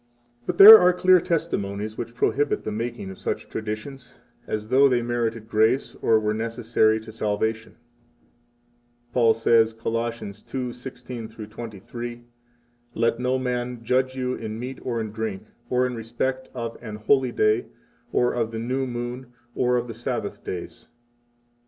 43 But there are clear testimonies which prohibit the making of such traditions, as though they merited grace or were necessary to 44 salvation. Paul says, Col. 2:16 23: Let no man judge you in meat, or in drink, or in respect of an holy day, or of the new moon, or of the Sabbath days.